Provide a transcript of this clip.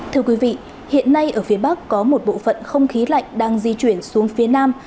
thưa quý vị hiện nay ở phía bắc có một bộ phận không khí lạnh đang di chuyển xuống phía nam